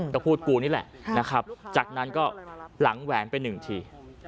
ก็พูดกูนี่แหละนะครับจากนั้นก็หลังแหวนไปหนึ่งที